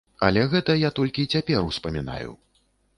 Але гэта я толькі цяпер успамінаю.